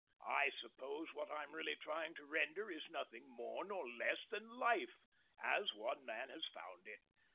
I suppose what I'm really trying to render is nothing more nor less than Life—as one man has found it.